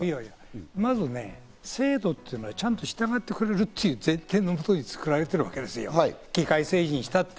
制度というのは、ちゃんと従ってくれるという前提のもとに作られてるわけですよ、議会政治にしたって。